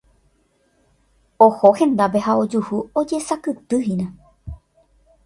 Oho hendápe ha ojuhu ojesakytýhina.